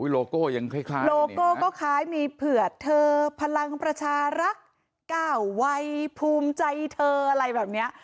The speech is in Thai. โลโก้ยังคล้ายโลโก้ก็คล้ายมีเผื่อเธอพลังประชารักษ์๙วัยภูมิใจเธออะไรแบบนี้